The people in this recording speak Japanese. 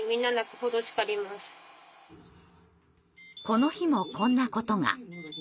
この日もこんなことが。